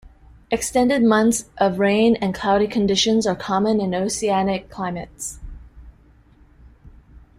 Extended months of rain and cloudy conditions are common in oceanic climates.